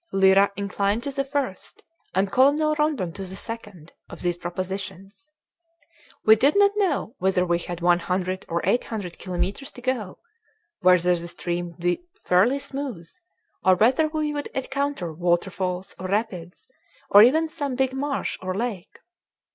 Lyra inclined to the first, and Colonel Rondon to the second, of these propositions. We did not know whether we had one hundred or eight hundred kilometres to go, whether the stream would be fairly smooth or whether we would encounter waterfalls, or rapids, or even some big marsh or lake.